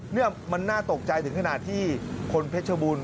นี่มันน่าตกใจถึงขนาดที่คนเพชรบูรณ